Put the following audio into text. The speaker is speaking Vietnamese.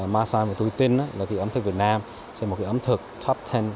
masan và tôi tin ấm thực việt nam sẽ là ấm thực top một mươi